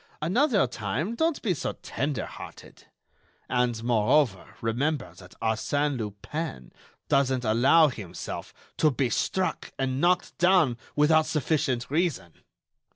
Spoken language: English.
Another time, don't be so tender hearted. And, moreover, remember that Arsène Lupin doesn't allow himself to be struck and knocked down without sufficient reason.